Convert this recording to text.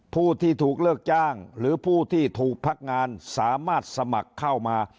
ผู้ที่ถูกเลิกจ้างหรือผู้ที่ถูกพักงานสามารถสมัครเข้ามา